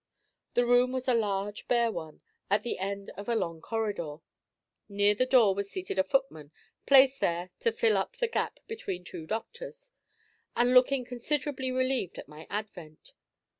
The room was a large bare one, at the end of a long corridor. Near the door was seated a footman, placed there to fill up the gap between two doctors, and looking considerably relieved at my advent.